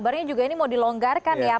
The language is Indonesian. berarti juga ini mau dilonggarkan ya